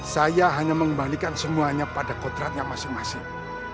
saya hanya mengembalikan semuanya pada kodrat yang masing masing